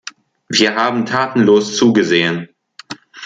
Wir haben tatenlos zugesehen.